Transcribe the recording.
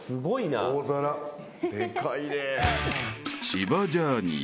［千葉ジャーニー